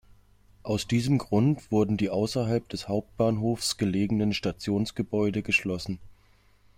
Aus diesem Grund wurden die außerhalb des Hauptbahnhofs gelegenen Stationsgebäude geschlossen.